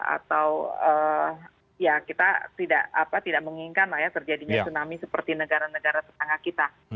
atau ya kita tidak menginginkan lah ya terjadinya tsunami seperti negara negara tetangga kita